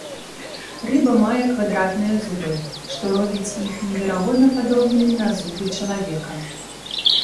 Рыба мае квадратныя зубы, што робіць іх неверагодна падобнымі на зубы чалавека.